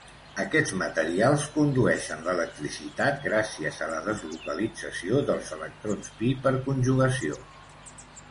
Aquests materials condueixen l'electricitat gràcies a la deslocalització dels electrons pi per conjugació.